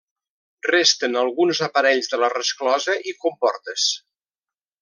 Resten alguns aparells de la resclosa i comportes.